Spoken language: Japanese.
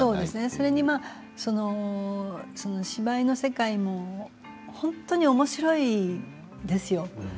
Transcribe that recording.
それに芝居の世界も、本当におもしろいんですよ。